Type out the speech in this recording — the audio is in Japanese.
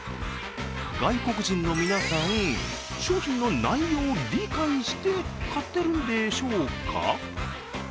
外国人の皆さん、商品の内容、理解して買ってるんでしょうか？